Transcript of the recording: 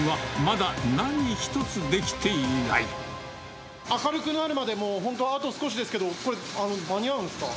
しかし、明るくなるまでもう、本当あと少しですけど、これ、あの、間に合うんですか？